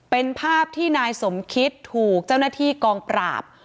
เป็นภาพที่นายสมคิดถูกเจ้าหน้าที่กองปราบ